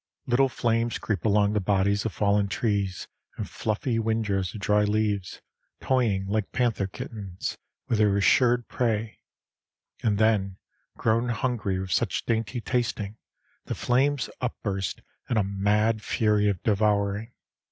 Little flames creep along the bodies of fallen trees and fluffy windrows of dry leaves, toying like panther kittens with their assured prey, and then, grown hungry with such dainty tasting, the flames upburst in a mad fury of devouring.